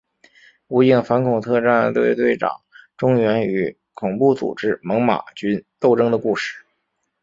武警反恐特战队队长钟原与恐怖组织猛玛军斗争的故事。